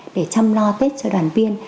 để chăm lo tết cho đoàn viên